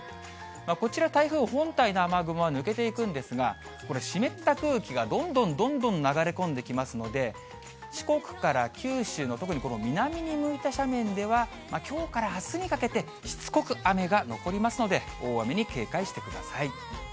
こちら、台風本体の雨雲は抜けていくんですが、湿った空気がどんどんどんどん流れ込んできますので、四国から九州の特にこの南に向いた斜面では、きょうからあすにかけて、しつこく雨が残りますので、大雨に警戒してください。